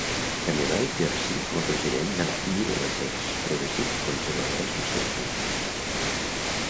També va exercir com a president de la Middlesex Progressive conservadora Association.